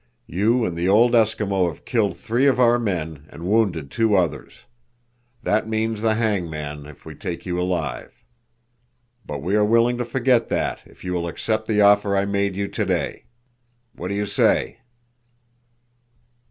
You and the old Eskimo have killed three of our men and wounded two others. That means the hangman, if we take you alive. But we are willing to forget that if you will accept the offer I made you today. What do you say?"